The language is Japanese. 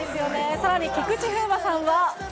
さらに菊池風磨さんは。